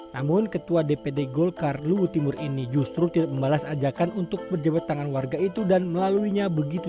namun ketua dpd golkar luhut timur ini justru tidak membalas ajakan untuk berjabat tangan warga itu dan melaluinya begitu